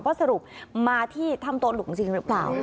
สรุปมาที่ถ้ำโต๊หลุงจริงหรือเปล่า